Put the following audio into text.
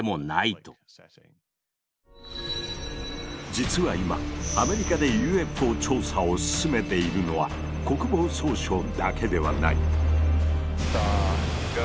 実は今アメリカでＵＦＯ調査を進めているのは国防総省だけではない。